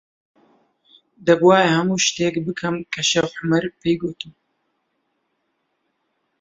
دەبووایە هەموو شتێک بکەم کە شێخ عومەر پێی گوتم.